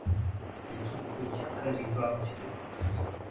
L'équipe obtient treize victoires en cyclo-cross.